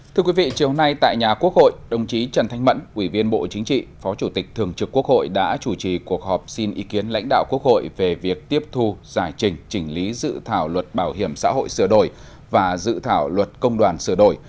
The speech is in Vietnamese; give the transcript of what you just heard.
thưa quý vị chiều nay tại nhà quốc hội đồng chí trần thanh mẫn ủy viên bộ chính trị phó chủ tịch thường trực quốc hội đã chủ trì cuộc họp xin ý kiến lãnh đạo quốc hội về việc tiếp thu giải trình chỉnh lý dự thảo luật bảo hiểm xã hội sửa đổi và dự thảo luật công đoàn sửa đổi